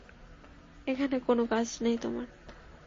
এখানে কোনো কাজ নেই তোমার!